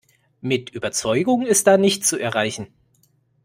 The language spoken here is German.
Mit Überzeugung ist da nichts zu erreichen.